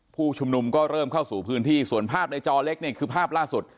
ผู้ชุมนุมก็เริ่มเข้าสู่พื้นที่ส่วนภาพในจอเล็กนี่คือภาพล่าสุด